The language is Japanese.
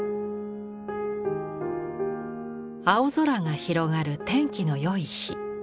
青空が広がる天気の良い日。